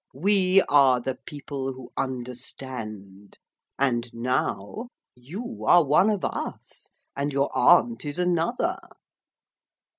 We are The People who Understand. And now you are one of Us. And your aunt is another.'